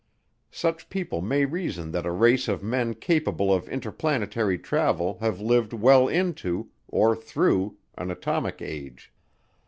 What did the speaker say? Such people may reason that a race of men capable of interplanetary travel have lived well into, or through, an atomic age.